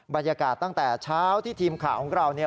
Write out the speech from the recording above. บรรยากาศตั้งแต่เช้าที่ทีมข่าวของเราเนี่ย